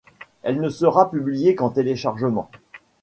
Elle ne sera publié qu'en téléchargement.